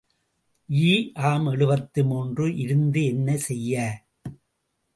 ஈ. ஆம் எழுபத்து மூன்று இருந்து என்ன செய்ய?